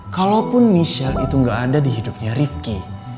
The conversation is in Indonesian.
kalaupun michelle itu gak ada di hidupnya rifki